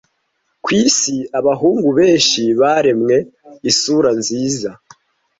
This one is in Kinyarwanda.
Ku isi abahungu be baremwe! Isura nziza